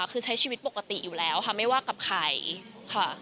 คือใช้ชีวิตปกติอยู่แล้วค่ะไม่ว่ากับใครค่ะ